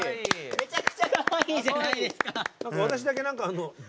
めちゃくちゃかわいいじゃないですか。